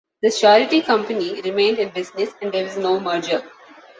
The surety company remained in business, and there was no merger.